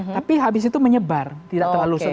tapi habis itu menyebar tidak terlalu serius